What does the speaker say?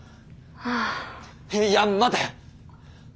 いや待て。